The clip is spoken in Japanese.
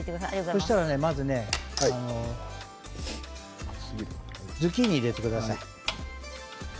そうしたら、まずねズッキーニを入れてください。